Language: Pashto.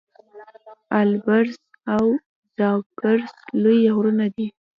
البرز او زاگرس لوی غرونه دي.